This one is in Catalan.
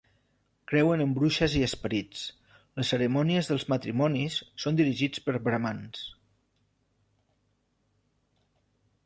Creuen en bruixes i esperits; les cerimònies dels matrimonis són dirigits per bramans.